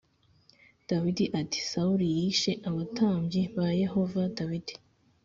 Dawidi ati sawuli yishe abatambyi ba yehova dawidi